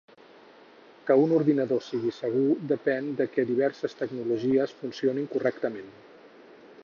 Que un ordinador sigui segur depèn de què diverses tecnologies funcionin correctament.